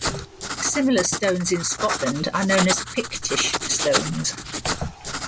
Similar stones in Scotland are known as Pictish stones.